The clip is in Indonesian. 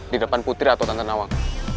di depan putri atau tante nawang